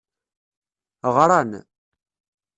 Ɣran.